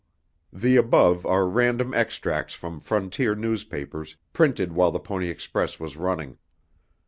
The above are random extracts from frontier newspapers, printed while the Pony Express was running.